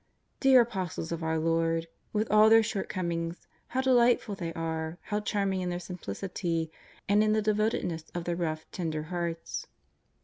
Dear Apostles of our Lord! with all their short comings, how delightful they are, how charming in their simplicity and in the devotedness of their rough, tender hearts.